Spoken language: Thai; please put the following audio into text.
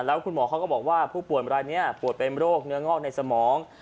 แล้วคุณหมอเขาก็บอกว่าผู้ป่วยรายนี้ปวดเป็นโรคเนื้องอกในสมอง